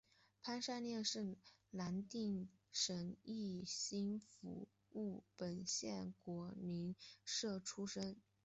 潘善念是南定省义兴府务本县果灵社出生。